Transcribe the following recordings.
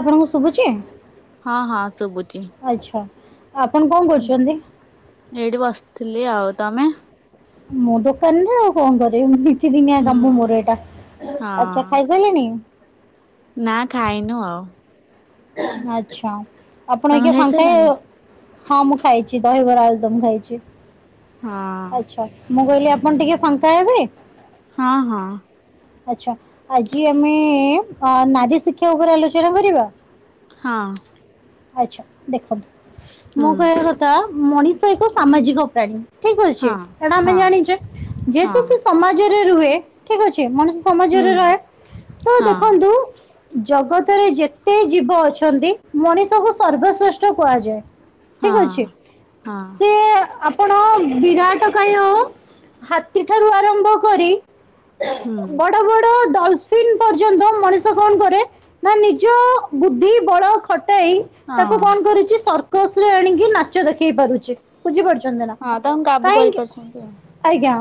ଆପଣଙ୍କୁ ଶୁଭୁଛି ହଁ ହଁ ଶୁଭୁଛି ଆଚ୍ଛା ଆପଣ କଣ କରୁଛନ୍ତି? ଥିଲି ଆଉ ତମେ ମୁଁ ଦୋକାନୀ ଆଉ କଣ କରିବି? ନିତିଦିନିଆ ହୁଁ କାମୁ ମୋର ଏଇଟା ଆଚ୍ଛା ହଁ ଖାଇସାଇଲେଣିି? ନା ଖାଇନୁ ଆଉ ଆଚ୍ଛା ଆପଣ ତମେ ଆଜ୍ଞା ଫାଙ୍କା ହେଇ ଖାଇସାରିଲଣି? ହଁ ମୁଁ ଖାଇଛି ଦହିବରା ଆଳୁ ଦମମ୍ ଖାାଇଛି ହଁ ମୁଁ କହିଲି ଆପଣ ଟିକେ ଫାଙ୍କା ହେବେ ହଁ ହଁ ଆଚ୍ଛା ଆଜି ଆମେ ନାରୀ ଶିକ୍ଷା ଉପରେ ଆଲୋଚନା କରିବା ହଁ ଆଚ୍ଛା ଦେଖନ୍ତୁ ହୁଁ ମୁଁ କହିଆ କଥା ମଣିଷ ଏକ ସାମାଜିକ ପ୍ରାଣୀ। ଠିକ ଅଛି ହଁ ଏଇଟା ଆମେ ହଁ ଜାଣିଛେ ହଁ ଯେହେତୁ ସେ ସମାଜରେ ହୁଏ ଠିକ୍ ଅଛି। [unintelligible] ହୁଁ ସମାଜରେ ରହେ ତ ହଁ ଦେଖନ୍ତୁ। ଜଗତରେ ଯେତେ ଜୀବ ଅଛନ୍ତି ମଣିଷକୁ ସର୍ବଶ୍ରେଷ୍ଠ କୁହାଯାଏ। ଠିକ୍ ହଁ ଅଛି। ହଁ ସିଏ ଆପଣ ବିରାଟ କାୟ ହାତୀ ଠାରୁ ଆରମ୍ଭ କରି ହୁଁ ବଡ ବଡ ଡଲଫିନ୍ ପର୍ଯ୍ୟନ୍ତ ମଣିଷ କଣ କରେ ନା ନିଜ ବୁଦ୍ଧି ବଳ ଖ ତାକୁ ହଁ କଣ କରୁଛି ସର୍କସ ରେ ଆଣିକି ନାଚ ଦେଖେଇ ପାରୁଛି। ବୁଝିପାରୁୁଛି। ହଁ ତାଙ୍କୁ କାବୁ କାହିଁକି କରିପାରୁଛନ୍ତି ଆଜ୍ଞା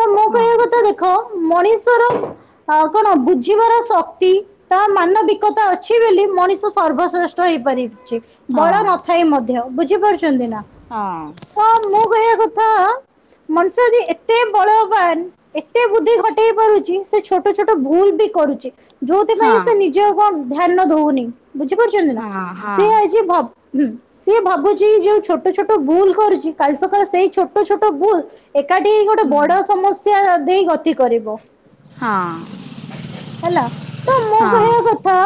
ତ ମୁଁ ଆଉ କହିବା କଥା ଦେଖ ମଣିଷର କଣ ବୁଝିବାର ଶକ୍ତି ତା ମାନବିକତା ଅଛି ବୋଲି ମଣିଷ ସର୍ବଶ୍ରେଷ୍ଠ ହେଇପାରିବି। ହଁ ବଳ ନଥାଇ ମଧ୍ୟ। ବୁଝିପାରୁଛ। ଛନ୍ତି ନା ହଁ ତ ମୁଁ କହିବା କ ମଣିଷ ଏତେ ବଳବାନ ଏତେ ବୁଦ୍ଧି କଟେଇ ପାରୁଛି ସେ ଛୋଟ ଛୋଟ ଭୁଲ ବି କରୁଛି। ହଁ ଯୋଉଥିପାଇଁ ସେ ହଁ ନିଜ କଣ ଧ୍ୟାନ ଦଉନି। ବୁଝିପାରୁଛନ୍ତି ନା ହଁ ସେ ହଁ ଆଜି ଭବ୍ ହୁଁ। ସିଏ ଭାବୁଛି ଯୋଉ ଛୋଟ ଛୋଟ ଭୁଲ୍ କରୁଛି। କାଲି ସକାଳେ ସେଇ ଛୋଟ ଛୋଟ ଭୁଲ୍ ଏକାଠି ହେଇ ଗୋଟେ ହୁଁ ବଡ ସମସ୍ୟା ଦେଇ ଗ ତି କରିବ। ହଁ ହେଲା ତ ମୁଁ ହଁ କହିବା କଥା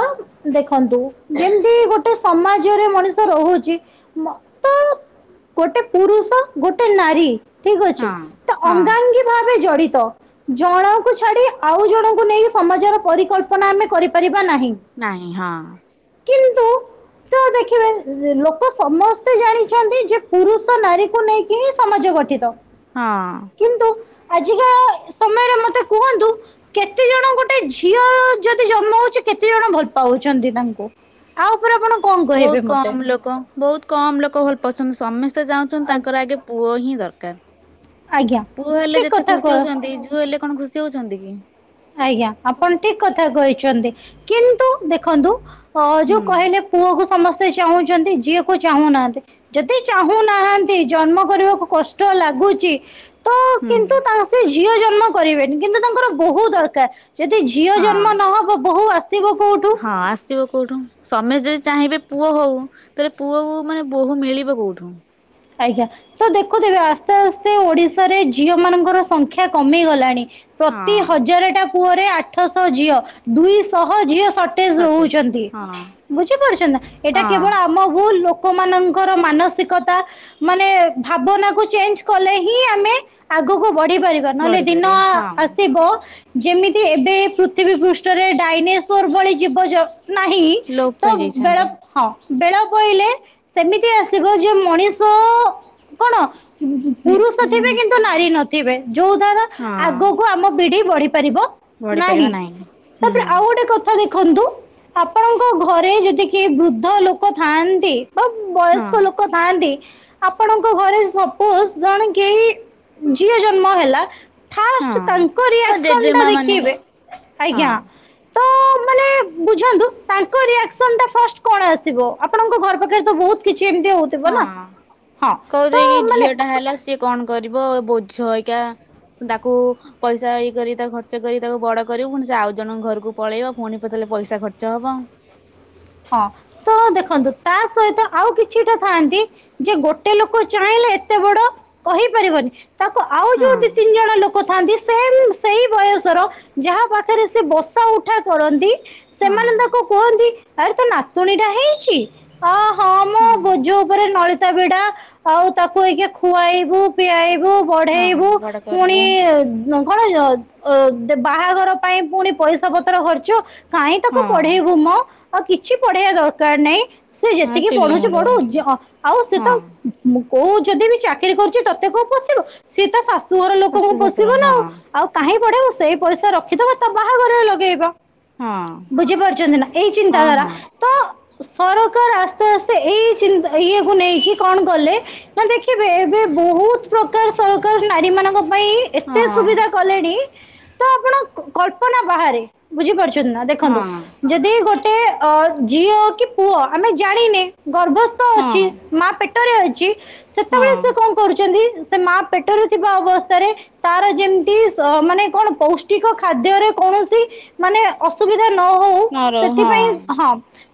ଦେଖନ୍ତୁ ଯେମତି ଗୋଟେ ସମାଜରେ ମଣିଷ ରହୁଛି। ମ ତ ଗୋଟେ ପୁରୁଷ ଗୋଟେ ନାରୀ ଠିକ୍ ଅଛି ହଁ ତ ହଁ ଅଙ୍ଗାଙ୍ଗୀ ଭାବେ ଜଡି ତ ଜଣକୁ ଛାଡି ଆଉ ଜଣଙ୍କୁ ନେଇ ସମାଜର ପରିକଳ୍ପନା ଆମେ କରିପାରି ନାହିଁ ହଁ। କିନ୍ତୁ ତ ଦେଖିବେ ଏ ଲୋକ ସମସ୍ତେ ଜାଣିଛନ୍ତି ଯେ ପୁରୁଷ ନାରୀକୁ ନେଇକି ହିଁ ସମାଜ ଗଠିତ। ହଁ। କିନ୍ତୁ ଆଜିକା ସମୟରେ ମତେ କୁହନ୍ତୁ କେତେ ଜଣ ଗୋଟେ ଝିଅ ଯଦି ଜନ୍ମ ହଉଛି କେତେ ଜଣ ଭଲ ପାଉଛନ୍ତି ତାଙ୍କୁ। ଆ ଉପରେ ଆପଣ କଣ ବହୁତ କହିବେ ମତେ କମ୍ ଲୋକ ବହୁତ କମ୍ ଲୋକ ଭଲ ପାଉଛନ୍ତି। ସମ ସ୍ତେ ଚାହୁଁଛନ୍ତି ତାଙ୍କର ଆଗେ ପୁଅ ହିଁ ଦରକାର। ଆଜ୍ଞା ପୁଅ ହେଲେ ଠିକ ଯେତେ କଥା ଖୁସି କହ ହଉଛନ୍ତି ଝୁଅ ହେଲେ କଣ ଖୁସି ହଉଛନ୍ତି କି? ଆଜ୍ଞା ଆପଣ ଠିକ କଥା କହିଛନ୍ତି। କିନ୍ତୁ ଦେଖନ୍ତୁ ହଁ ଯୋଉ ହୁଁ। କହିଲେ ପୁଅକୁ ସମ ସ୍ତେ ଚାହୁଁଛନ୍ତି ଝିଅକୁ ଚାହୁଁନାହାନ୍ତି ଯଦି ଚାହୁଁନାହାନ୍ତି ଜନ୍ମ କରିବାକୁ କଷ୍ଟ ଲାଗୁଛି। ତ ହୁଁ। କିନ୍ତୁ ତା ସେ ଝି ଝିଅ ଜନ୍ମ କରିବେନି କିନ୍ତୁ ତାଙ୍କର ବହୁତ ଦରକାର ଯଦି ଝିଅ ହଁ ଜନ୍ମ ନହବ ବୋହୁ ଆସିବ କୋଉଠୁ? ହଁ ଆସିବ କୋଉଠୁ ସମସ୍ତେ ଯଦି ଚାହିଁବେ ପୁଅ ହଉ ତାହେଲେ ପୁଅ ମାନେ ବୋହୁ ମିଳିବ କୋଉଠୁ? ଆଜ୍ଞା ତ ଦେଖୁଥିବେ ଆସ୍ତେ ଆସ୍ତେ ଓଡିଶାରେ ଝିଅ ମାନଙ୍କର ସଂଖ୍ୟା କମି ଗଲାଣି। ପ୍ରତି ହଁ ହଜାରଟା ପୁଅରେ ଆଠଶହ ଝିଅ ଦୁଇଶହ ଝିଅ ସଟେଜ ହଉଛନ୍ତି ବୁଝି ପାରୁଛନା ଏଟା ହଁ କେବଳ ଆମ ଭୁଲ ଲୋ ଲୋକମାନଙ୍କର ମାନସିକତା ମାନେ ଭାବନା କୁ ଚେଞ୍ଜ କଲେ ହିଁ ଆମେ ଆଗକୁ ବଢି ପାରିବା ନହେଲେ ଦିନ ବଢିପାରିବା ହଁ ଆସିବ ଯେମିତି ଏବେ ପୃଥିବୀ ପୃଷ୍ଠ ପୃଷ୍ଠରେ ଡାଇନେସୋର ଭଳି ଜୀବଜଗ ନାହିଁ ଲୋପ ତ ପାଇ ବେଳ ଯାଇଛନ୍ତି ହଁ ବେଳ ପଇଲେ ସେମିତି ଆସିବ ଯୋଉ ମଣିଷ। ତ କଣ ପୁରୁଷ ନିଜେ ଥିବେ କିନ୍ତୁ ନାରୀ ନଥିବ ଥିବେ ଯଉ ଦ୍ଵାରା ହଁ ଆଗକୁ ଆମ ପିଢ଼ି ବଢି ପାରିବ ନାହିଁ ବଢିପାରିବା ହୁଁ ତାପରେ ଆଉ ଗୋଟେ କଥା ଦେଖ ଦେଖନ୍ତୁ ଆପଣଙ୍କ ଘରେ ଯଦି କେହି ବୃଦ୍ଧ ଲୋକ ଥାଆନ୍ତି ବା ହଁ ବୟସ୍କ ଲୋକ ଥାଆନ୍ତି ଆପଣଙ୍କ ଘରେ ସପୋଜ ଜଣେ କେହି ଝିଅ ଜନ୍ମ ହେଲା ହଁ ଫାଷ୍ଟ ତାଙ୍କ ମୋ ରିଆକ୍ସନ ଟା ଜେଜେମା ମାନେ ଦେଖେଇବେ ଆଜ୍ଞା। ହଁ ତ ମାନେ ବୁଝନ୍ତୁ ତାଙ୍କ ରିଆକ୍ସନ ଟା ଫାଷ୍ଟ କଣ ଆସିବ ଆପଣଙ୍କ ଘର ପାଖରେ ତ ବହୁତ କିଛି କେମିତି ହଉଥିବ ନା ହଁ କହୁଦ ତ କି ଝିଅ ମାନେ ଟା ହେଲା ସିଏ କଣ କରିବ ଛା ତାକୁ ପଇସା ଏଇ କରି ତାକୁ ଖର୍ଚ୍ଚ କରି ତାକୁ ବଡ କରିବୁ ପୁଣି ସେ ଆଉ ଜଣଙ୍କ ଘରକୁ ପଳେଇବ ପୁଣି ପତେଲେ ପଇସା ଖର୍ଚ୍ଚ ହବ ହଁ ତ ଦେଖନ୍ତୁ ତା ସହିତ ଆଉ କିଛିଟା ଥାଆନ୍ତି ଯେ ଗୋଟେ ଲୋକ ଚାହିଁଲେ ଏତେ ବଡ କହିପାରିବନି ତାକୁ ଆଉ ହଁ ଯୋଉ ଦି ତିନି ଜଣ ଲୋକ ଥାନ୍ତି ସେ ସେଇ ବୟସର ଯାହା ପାଖରେ ସେ ବସା ଉଠା କରନ୍ତି। ହଁ ସେମାନେ ତାକୁ କୁହନ୍ତି। ଆରେ ତ ନାତୁଣୀ ଟା ହେଇଛି ଅ ହଁ ମୁଁ ବୋଝ ଉପରେ ତା ଛଡା ଆଉ ତାକୁ ଏଇକ ଖୁଆଇବୁ ପିଆଇବୁ ହଁ ବଢେଇବୁ ବଡ ପୁଣି କରିବୁ କଣ ବାହାଘର ପାଇଁ ପୁଣି ପଇସା ପତ୍ର ଖର୍ଚ୍ଚ କାଇହିଁ ତାକୁ ହଁ ପଢେଇବୁ ମଁ ଆଉ କିଛି ପଢେଇବା ଦରକାର ନା ନହିଁ ସେ ହଁ ଯେତିକି ଚୁଲି ପଢୁଛି ମୁଣ୍ଡ ପଢ଼ୁ ଯେ ଆଉ ସେ ହଁ ତ କୋଉ ଯଦି ବି ଚାକିରି କରୁଛି ତତେ କୋଉ ପଶିବୁ ସିଏ ତା ସା- ତୋର ଲୋକଙ୍କୁ ଶାଶୁ ଶଶୁର ପୋଶିବ ନା ହଁ ଆଉ ଆଉ କାହିଁ ପିବ ସେଇ ପଇସା ରଖିଥ ତ ବାହାଘରରେ ଲଗେଇବ। ହଁ ବୁଝିପାରୁଛନ୍ତି ନା ଏଇ ନ୍ ତା ହଁ ଦଵାରା ହଁ ତ ସରକାର ଆସ୍ତେ ଆସ୍ତେ ଏଇ ଇଏକୁ ନେଇକି କଣ କଲେ ନା ଦେଖିବେ ଏବେ ବହୁତ ପ୍ରକାର ସରକାର ନାରୀ ମାନଙ୍କ ପାଇଁ ଏତେ ହଁ ସୁବିଧା କଲେଣି ତ ଆପଣ କଳ୍ପନା ବାହାରେ ବୁଝିପାରୁଚ ନା ଦେଖନ୍ତୁ ହଁ ଯଦି ଗୋ ଗୋଟେ ଅ ଝିଅ କି ପୁଅ ଆମେ ଜାଣିନେ ଗର୍ଭସ୍ଥ ଅଛି ହଁ ମା ପେଟ ରେ ଅଛି। ହଁ ସେତେବେଳେ ସେ କଣ କରୁଛନ୍ତି। ସେ ମା ପେଟରେ ଥିବା ଅବସ୍ଥାରେ ତାର ଯେମିତି ମାନେ କଣ ପୌଷ୍ଟିକ ଖାଦ୍ୟରେ କୌଣସି ମାନେ ଅସୁବିଧା ନ ହଉ ସେଥିପାଇଁ ହଁ।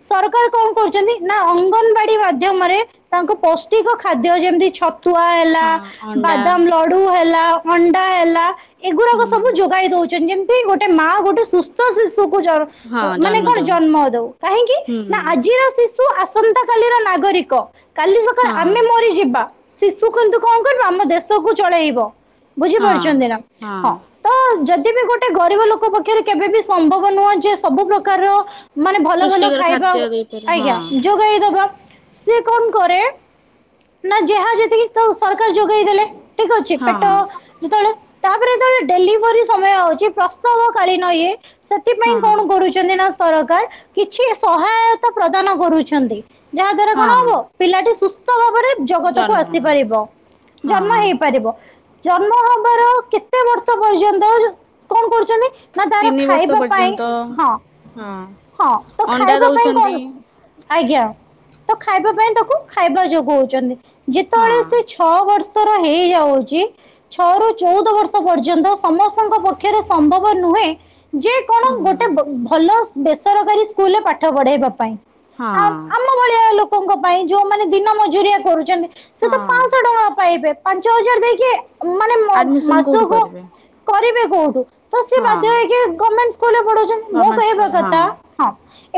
ସରକାର କଣ କରୁଛନ୍ତି ନା ଅଙ୍ଗନବାଡି ମାଧ୍ୟମରେ ତାଙ୍କ ପୌଷ୍ଟିକ ଖାଦ୍ୟ ଯେମିତି ଛ ତୁଆ ହେଲା ହଁ ଅଣ୍ଡା ବାଦାମ ଲଡୁ ହେଲା ଥଣ୍ଡା ହେଲା। ଏଗୁଡାକ ହୁଁ ସବୁ ଯୋଗାଇ ଦଉଛି। ଯେମିତି ଗୋଟେ ମା ଗୋଟେ ସୁସ୍ଥ ଶିଶୁ ଶୁ ଜ ହଁ ମାନେ କଣ? ଦେଉ ଜନ୍ମ ଦଉ କାହିଁକି ହୁଁ ନା ଆଜିର ଶିଶୁ ଆ ଆସନ୍ତାକାଲିର ନାଗରିକ। କାଲି ସକାଳେ ହଁ ଆମେ ମରି ଯିବା। ଶିଶୁ କିନ୍ତୁ କଣ କରିବ ଆମ ଦେଶକୁ ଚଳେଇବ। ବୁଝି ହଁ ପାରୁଛନ୍ତି ନା ହଁ ତ ଯ ତେବେ ଗୋଟେ ଗରିବ ଲୋକ ପକ୍ଷରେ କେବେ ବି ସମ୍ଭବ ନୁହଁ ଯେ ସବୁ ପ୍ରକାରର ମାନେ ଭଲ ଭଲ ପୁଷ୍ଟିକର ଖାଇବା ଖାଦ୍ୟ ଦେଇପାରିବ ହଁ ଆଜ୍ଞା ଯୋଗାଇଦବା। ସେ କଣ କରେ ନା ଯାହା ଯେତିକି ତା ସରକାର ଯୋଗେଇ ଦେଲେ। ଠିକ ଅଛି ହଁ ପେଟ ଯେତେବେଳେ ତାପରେ ଯେତେବେଳେ ଡେଲିଭରି ସମୟ ହଉଛି ପ୍ରସ୍ତାବ କାଳୀନ ଇଏ ସେଥିପାଇଁ ହଁ କଣ କରୁଛନ୍ତି ନା ସରକାର କିଛି ସହାୟତା ପ୍ରଦାନ କରୁଛନ୍ତି। ଯାହା ଦ୍ଵାରା କଣ ହଁ ହବ ପିଲାଟି ସୁସ୍ଥ ତ ଗୁରେ ଜଗତକୁ ଜନ୍ମ ଆସିପାରିବ ଜନ୍ମ ହଁ ହେଇପାରିବ ଜନ୍ମ ହବାର କେ କେତେ ବର୍ଷ ପର୍ଯ୍ୟନ୍ତ ଜ କଣ କରୁ ଛନ୍ତି ନା ତାର ତିନି ବର୍ଷ ଖାଇବା ପାଇଁ ପର୍ଯ୍ୟନ୍ତ ହଁ। ହଁ ହଁ ତ ଅଣ୍ଡା ଖାଇବା ପାଇଁ ଦଉଛନ୍ତି କଣ ଆଜ୍ଞା ତ ଖାଇବା ପାଇଁ ତାକୁ ଖାଇବା ଯୋଗଉଛନ୍ତି। ହଁ ଯେତେବେଳେ ସେ ଛଅ ବର୍ଷ ବର୍ଷ ର ହେଇଯାଉଛି ଛଅରୁ ଚଉଦ ବର୍ଷ ପର୍ଯ୍ୟନ୍ତ ସମସ୍ତଙ୍କ ପକ୍ଷରେ ସମ୍ଭବ ନୁହେଁ ଯେ କଣ ଗୋଟେ ହୁଁ ବ ଭଲ ବେସରକାରୀ ସ୍କୁଲରେ ପାଠ ପଢ଼ାଇବା ପାଇଁ। ଆ ଆମ ଭଳିଆ ହଁ। ଲୋକଙ୍କ ପାଇଁ ଯୋଉମାନେ ଦିନ ମଜୁରିଆ କରୁଛନ୍ତି। ସେ ତ ହଁ ପାଞ୍ଚଶହ ଟଙ୍କା ପାଇବେ। ପାଞ୍ଚ ହଜାର ଦେଇକି ମାନେ ମୋ ଆଡମିସନ କୋଉଠୁ ମାସକୁ କରିବେ କରିବେ [inaudible] ତ ବାଜ ଗମେଟ ଗଭଣ୍ଟ ସ୍କୁଲ ହଁ। ହଁ।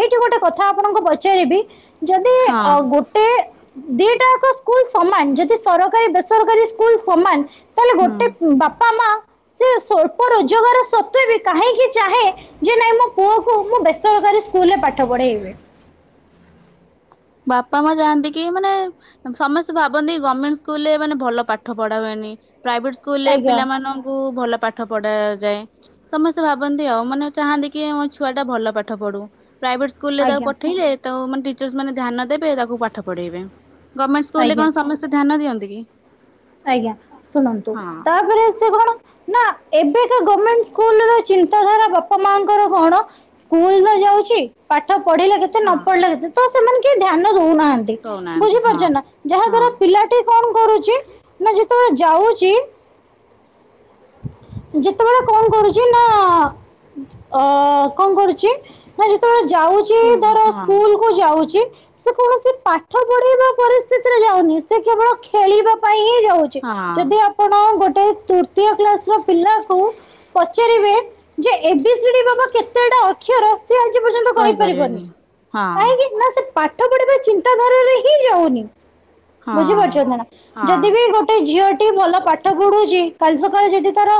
ଏଇଠି ଗୋଟେ କଥା ଆପଣଙ୍କୁ ପଚାରିବି। ଯଦି ହଁ ଅ ଗୋଟେ ଦିଟାକ ସ୍କୁଲ- ସମାନ ଯଦି ସରକାରୀ ବେସରକାରୀ ସ୍କୁଲ ସମାନ। ତାହେଲେ ହୁଁ ଗୋଟେ ବାପା ମା। ସେ ସ୍ଵଳ୍ପ ରୋଜଗାର ସତ୍ୱ ବି କାହିଁକି ଚାହେଁ ଯେ ନାଇଁ ମୋ ପୁଅକୁ ମୁଁ ବେସରକାରୀ ସ୍କୁଲ ରେ ପାଠ ପଢେଇବି। ବାପା ମା ଯାଆନ୍ତି କି ମାନେ ସମସ୍ତେ ଭାବନ୍ତି ଗଭର୍ଣମେଣ୍ଟ ସ୍କୁଲରେ ମାନେ ଭଲ ପାଠ ପଢା ହୁଏନି। ପ୍ରାଇଭେଟ ସ୍କୁଲ ରେ ଆଜ୍ଞା ପିଲାମାନଙ୍କୁ ଭଲ ପାଠ ପଢା ଯାଏ ସମସ୍ତେ ଭାବନ୍ତି ଆଉ ମାନେ ଚାହାନ୍ତି କି ମୋ ଛୁଆ ଟା ଭଲ ପାଠ ପଢୁ। ପ୍ରାଇଭେଟ୍ ସ୍କୁଲ ରେ ତାକୁ ଆଜ୍ଞା ପଠେଇଲେ। ତ ମାନେଟିଚ ମେ ଧ୍ୟାନ ଦେବେ ତାକୁ ପାଠ ପଢେଇବେ। ଗଭର୍ଣ୍ମେଣ୍ଟ ସ୍କୁଲ ରେ ଆଜ୍ଞା କଣ ସମସ୍ତେ ଧାନ ଦିନ୍ତୁ। କିି ଆଜ୍ଞା ଶୁଣନ୍ତୁ ତାପରେ ସେ କଣ ନା ଏବେକା ଗେଣ୍ଟ ସ୍କୁଲ ର ଚିନ୍ତାଧାରା ବାପା ମାଙ୍କର କଣ ସ୍କୁଲ ଯାଉଛି। ପଢିଲା କେିେ ନ ହଁ ପଢିଲାି ତ ସେମାନେ ଧ୍ୟାନ ହଉନାହାନ୍ତି ଦଉନାହାନ୍ତି ହଁ। ବୁଝିପାରୁଛ ନା ଯାହା ହଁ ଦ୍ଵାରା ପିଲାଟି କଣ କରୁଛି। ନା ଯେତେବେଳେ ଯାଉଛି [inaudible] ଯେତେବେଳେ କଣ କରୁଛି ନା ଅ କଣ କରୁଛି ନା ଯେତେବେଳେ ଯାଉଛି ସ୍କୁଲ ଧର ହଁ ସ୍କୁଲ କୁ ଯାଉଛି। ସେ କୌଣସି ପାଠ ପଢେଇବା ପରିସ୍ଥିତିରେ ଯାଉନି ସେ କେବଳ ଖେଳିବା। ହେ ଯାଉଛି ହଁ ଯଦି ଆପଣ ଗୋଟେ ର ପିଲାକୁ ପଚାରିବେ ଯେ ବା କେତୋ ଅର ସେ ଆଜି ପର୍ଯ୍ୟନ୍ତ କହିପାରିବନି କହିପାରିବେନି। ହଁ କାହିଁକି ନା ସେ ପାଠ ପଢିବା ଚିନ୍ତାଧାରରେ ହିଁ ଯାଉନି। ହଁ ବୁଝିପାରୁଛନ୍ତି ନା। ହଁ ଯଦି ବି ଗୋଟେ ଝିଅ ଭଲ ପାଠ ପଢୁଛି କାଲି ସକାଳେ ଯଦି ତାର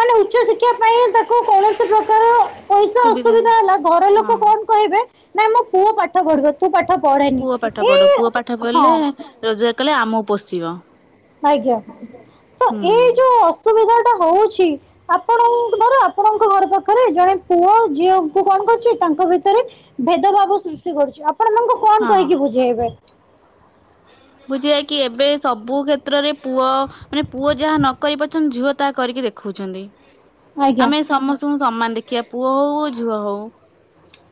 ମାନେ ଉଚ୍ଚ ଶିକ୍ଷା ପାଇଁ ତାକୁ କୌଣସି ପ୍ରକାର ପଇସା ସୁବିଧା ଅସୁବିଧା ହେଲା ଘର ଲୋକ ହଁ। କଣ କହିବେ। ନାଇଁ ମୋ ପୁଅ ପାଠ ପଢିବ ତୁ ପାଠ ପଢ଼େନି ପୁଅ ପାଠ ପଢୁ। ଏଇ ପୁଅ ପାଠ ହଁ ପଢିଲେ ରୋଜଗାର କଲେ। ଆମ ପୋଷିବ। ଆଜ୍ଞା ତ ହୁଁ ଏଇ ଯୋଉ ଅସୁବିଧା। ହଉଛି ଆପଣର ଆପଣଙ୍କ ଘର ପାଖରେ ଜଣେ ପୁଅ ଝିଅଙ୍କୁ କଣ କରୁଛି ତାଙ୍କ ଭିତରେ ଭେଦଭାବ ସୃଷ୍ଟି କରୁଛି। ଆପଣ ତାଙ୍କୁ କଣ କହିକି ବୁଝେଇବେ। ବୁଝିଯାଇ କି ଏବେ ସବୁ କ୍ଷେତ୍ରରେ ପୁଅ ମାନେ ପୁଅ ଯାହା ନ କରି ପାରୁଛନ୍ତି ଝିଅ ତାହା କରିକି ଦେଖୋଉଛନ୍ତି। ଆଜ୍ଞା ଆମେ ସମସ୍ତଙ୍କୁ ସମାନ ଦେଖିବା ପୁଅ ହଉ ଆଉ ଝୁଅ ହଉ।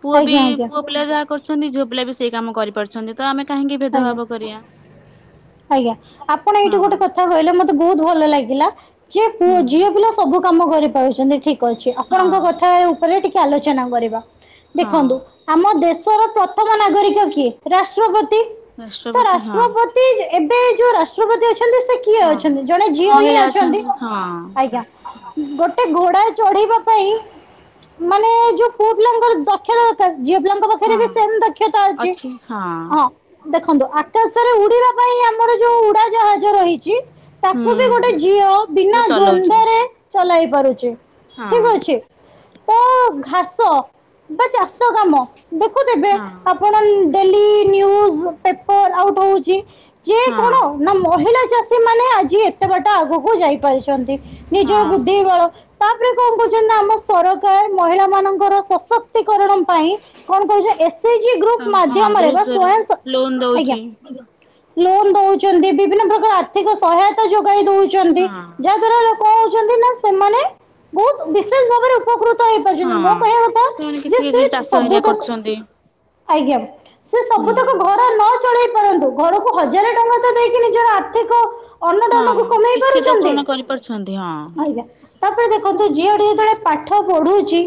ପୁଅ ବି ଆଜ୍ଞା ଆଜ୍ଞା ପୁଅ ପିଲା ଯାହା କରୁ ଛନ୍ତି ଝିଅ ପିଲା ବି ସେଇ କାମ କରିପାରୁଛନ୍ତି। ତ ଆମେ କାହିଁକି ଆଜ୍ଞା ଭେଦଭାବ। ଜ୍ଞା। ଆଜ୍ଞା ଆପଣ ଏଇଠି ଗୋଟେ କଥା କହିଲେ ମତେ ବହୁତ ଭଲ ଲାଗିଲା। ଯିଏ ପୁଅ ହୁଁ ଝିଅ ପିଲା ସବୁ କାମ କରିପାରୁଛନ୍ତି ଠିକ୍। ଅଛି ହଁ ଆପଣଙ୍କ କଥା ଉପରେ ଟିକେ ଆଲୋଚନା କରିବା। ହଁ ଦେଖନ୍ତୁ ଆମ ଦେଶ ପ୍ରଥମ ନାଗରିକ କିଏ ରାଷ୍ଟ୍ରପତି। ତ ରାଷ୍ଟ୍ରପତି ହଁ ରାଷ୍ଟ୍ରପତି ଏବେ ଯୋଉ ରାଷ୍ଟ୍ରପତି ଅ ସେ କିଏ ହଁ ଅଛନ୍ତି ଜଣେ ଝିଅ ହିଁ ମହିଳା ଅଛନ୍ତି। ହଁ ଆଜ୍ଞା ଗୋଟେ ଘୋଡା ଚଢିବ। ପାଇଁ ମାନେ ଯୋଉ ପୁଅ ପିଲାଙ୍କର ଦକ୍ଷତା ଦରକାରେ। ଝିଅ ପିଲାଙ୍କ ପାଖରେ ବି ହଁ ସେମ୍ ଦକ୍ଷତା ଅଛି। ହଁ ଦେଖନ୍ତୁ ଆକାଶରେ ଉଡିବା ପାଇଁ ଆମର ଯୋଉ ଉଡା ଜାହାଜ ରହିଛି। ତାକୁ ବି ଗୋଟେ ହୁଁ ଝିଅ ବିନା ଯୋଉ ଚଲଉଛି ଦ୍ଵନ୍ଦରେ ଚଲାଇ କରୁଛି। ଠିକ୍ ହଁ ଅଛି ତ ଘାସ ବା ଚାଷ କାମ ଦେଖୁ ଦେବେ। ହଁ ଆପଣ ଡେଲି ନିୟୁଜ୍ ପେପର ଆଉଟ୍ ହଉଛି। ଯେ ହଁ କଣ ନା ମହିଳା ଚାଷୀ ମାନେ ଆଜି ଏତେ ବାଟ ଆଗକୁ ଯାଇ ପାରିଛନ୍ତି। ନିଜର ବୁଦ୍ଧି ହଁ ବଳ- ତାପରେ କଣ କହୁଛନ୍ତି ଆମ ସରକାର ମହିଳା ମାନଙ୍କର ସଶକ୍ତି କରଣ ପାଇଁ କଣ କହୁଛ ଏସ୍, ଜି, ଗ୍ରୁପ୍ ହଁ ମାଧ୍ୟମରେ ଗ୍ରୁପ ବା ଦ୍ଵାରା ସ୍ଵୟଂ ସ ଲୋନ ଆଜ୍ଞା। ଦଉଛି ଲୋନ୍ ଦଉଚନ୍ତି ବିଭିନ୍ନ ପ୍ରକାର ଆର୍ଥିକ ସହାୟତା ଯୋଗ୍ ଯୋଗାଇ ଦଉଛନ୍ତି ହଁ ଯାହା ଦ୍ଵାରା ଲୋକ ହଉଛନ୍ତି ନା ସେମାନେ ବହୁତ୍ ବିଶେଷ ଭାବରେ ଉପକୃ ହଁ ସେମାନେ କିଛି କିଛି ଚାଷ ହେରିଆ ସବୁତକ କରୁଛନ୍ତି। ଆଜ୍ଞା। ସେ ସବୁ ହୁଁ ତକ ଘର ନଟ୍ ଚଳେଇ ପାରନ୍ତୁ ଘରକୁ- ହଜାର ଟଙ୍କା ତ ଦେଇକି ନିଜର ଆର୍ଥିକ ହଁ ଅନୁଦାନକୁ କମେଇ କିଛି ତ ପାରୁଛନ୍ତି ପୁରଣ କରିପାରୁଛନ୍ତି ହଁ। ଆଜ୍ଞା ତାପରେ ଦେଖନ୍ତୁ ଝିଅଟି ଯେତେବେଳେ ପାଠ ପଢୁଛି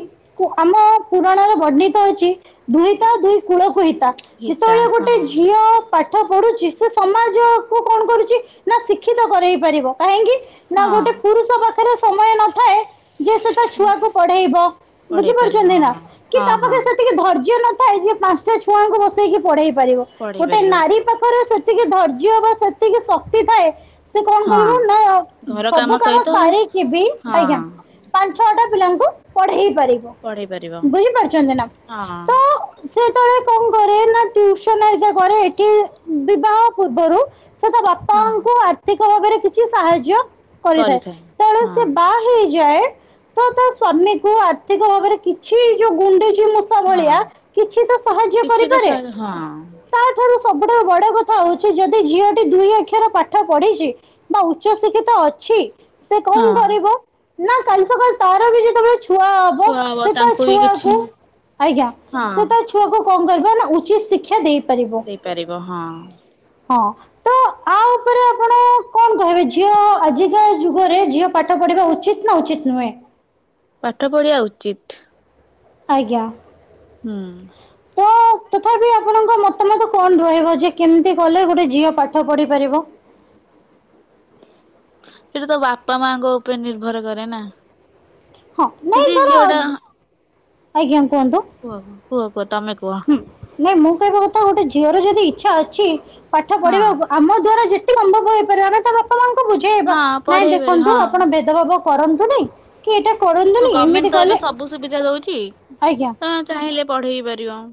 ଆମ ପୁରାଣରେ ବର୍ଣ୍ଣିତ ଅଛି- ଦୁହିତା ଦୁଇ କୁଳ କୁ ହିତା ହିତା ଯେତେବେଳେ ଗୋଟେ ହଁ ଝିଅ ପାଠ ପଢୁ଼ ସେ ସମାଜକୁୁ କଣ କରୁଛି ନା ଶିକ୍ଷିତ କରେଇ ପାରିବ କାହିଁକି- ନା ହଁ ଗୋଟେ ପୁରୁଷ ପାଖରେ ସମୟ ନଥାଏ। ଯେ ସେ ତା ଛୁଆକୁ ପଢେଇବ ବୁଝି ପଢେଇ ପାରିବ ପାରୁଛନ୍ତି ହଁ ନା କି ହଁ ତା ହଁ ପାଖରେ ସେତିକି ଧୈର୍ଯ୍ୟ ନ [unintelligible] ପାଞ୍ଚଟା ଛୁଆଙ୍କୁ ବସେଇକି ପଢେଇବ। ପାରିବ ପଢେଇ ଗୋଟେ ପାରିବ ନାରୀ ପାଖରେ ସେ ସେତିକି ଧୈର୍ଯ୍ୟ ବା ସେତିକି ଶକ୍ତି ଥାଏ। ସେ କଣ ହଁ କରିବ ନା ଘର ସବୁ କାମ ସହିତ ସାରିକିବି ଆଜ୍ଞା ହଁ ପାଞ୍ଚ ଛଟା ପିଲାଙ୍କୁ ପଢେଇ ପାରିବ ପଢେଇ ପାରିବ ବୁଝିପାରୁଚନ୍ତି ନା ହଁ ତ ସେ ସେତେବେଳେ କଣ କରେ ନା ଟ୍ୟୁସନ୍ ହେଇକା କରେ ଏଠି ବିବାହ ପୂର୍ବରୁ ସେ ତା ବାପା ହଁ ଙ୍କୁ ଆର୍ଥିକ [unintelligible] ଭାବରେ କିଛି ସାହାଯ୍ୟ କରିଥାଏ ତେଣୁ ସେ ବାହା ହେଇଯାଏ। ତ ତା ସ୍ଵାମୀ କୁ ଆର୍ଥିକ ଭାବରେ କିଛି ଯୋଉ ଗୁଣ୍ଡୁଚି ଗୁଣ୍ଡୁଚି ମୂଷା ହଁ ଭଳିଆ କିଛି ତ ସାହାଯ୍ୟ କିଛି ତ କରିପାରେ ସା ହଁ ତାଠାରୁ ସବୁଠାରୁ ବଡ଼ କଥ- କଥା ହଉଛି ଯଦି ଝିଅଟି ଦୁଇ ଅକ୍ଷର ପାଠ ପଢିଛି ବା ଉଚ୍ଚ ଶିକ୍ଷିତ ଅଛି। ସେ କଣ ହଁ କରିବ ନା କାଲି ସକାଳେ ତାର ବି ଯ [unintelligible] ଛୁଆ ହବ ଛୁଆ ସେ ତା ତାଙ୍କୁ ବି କିଛି ଛୁଆକୁ ଆଜ୍ଞା ହଁ ସେ ତା ଛୁଆକୁ- କଣ କରିବା ନା ଉଚିତ ଶିକ୍ଷା ଦେଇ- ଦେଇପାରିବ ହଁ। ହଁ ତ ଆଉ ଉପରେ ଆପଣ କଣ କହିବେ ଝିଅ ଆଜିକା ଯୁଗରେ ଝିଅ ପାଠ ପଢିବା ଉଚିତ ନା ଉଚିତ ନୁହେଁ? ପାଠ ପଢିବା ଉଚିତ୍। ଆଜ୍ଞା। ହୁଁ। ତ ତଥାପି ଆପଣଙ୍କ ମତାମତ କଣ ରହିବ ଯେ କେମିତି କଲେ ଗୋଟେ ଝିଅ ପାଠ ପଢିପାରିବ? ସେଇଟା ତ ବାପା ମାଙ୍କ ଉପରେ ନିର୍ଭର କରେ ନା। ହଁ ନାଇଁ ଯଦି ଝିଅଟା ଧର ଆଜ୍ଞା କୁହନ୍ତୁ। କୁହ କୁହ କୁହ- ତମେ କୁହ ହୁଁ ନାଇଁ ମୁଁ କହିବା କଥା ଗୋଟେ ଝିଅ ଝିଅର ଯଦି ଇଚ୍ଛା ଅଛି। ପାଠ ହଁ ପଢିବା ଆମ ଦ୍ଵାରା ଯେତେ ସମ୍ଭବ ହୋଇଇପାରେ ଆମେ ତା ବାପାମାଆଙ୍କୁ ବୁଝେଇବା ହଁ ନାଇଁ ପଢେଇ ପାରିବ ଦେଖନ୍ତୁ ହଁ। ଆପଣ ଭେଦଭାବକୁ କରନ୍ତୁ ନାଇଁ କ ହଁ ଗଭର୍ଣ୍ଣମେଣ୍ଟ ତ ଏବେ ସବୁ ସୁବିଧା ଦଉଛି ଆଜ୍ଞା। ତ ଚାହିଁଲେ- ପଢେଇ ପାରିବ ଆ-